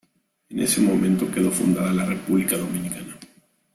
En ese momento quedó fundada la República Dominicana.